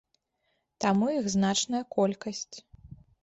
Таму іх значная колькасць.